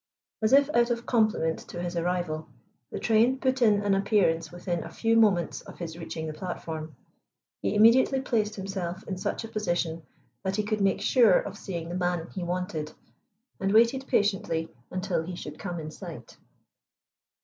As if out of compliment to his arrival, the train put in an appearance within a few moments of his reaching the platform. He immediately placed himself in such a position that he could make sure of seeing the man he wanted, and waited patiently until he should come in sight.